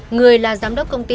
người là giám đốc công ty